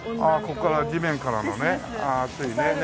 ここから地面からのね。ですです。